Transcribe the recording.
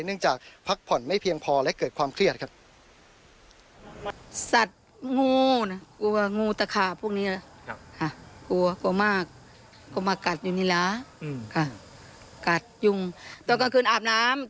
จากพักผ่อนไม่เพียงพอและเกิดความเครียดครับ